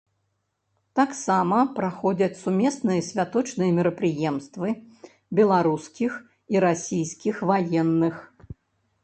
Таксама праходзяць сумесныя святочныя мерапрыемствы беларускіх і расійскіх ваенных.